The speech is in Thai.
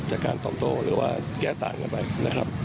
การตอบโต้หรือว่าแก้ต่างกันไปนะครับ